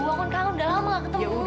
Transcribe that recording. aku udah lama gak ketemu ibu